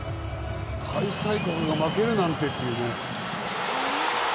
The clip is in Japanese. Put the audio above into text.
開催国が負けるなんてっていうね。